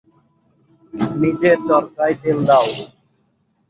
নিজের চরকায় তেল দাও।